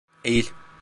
Eğil.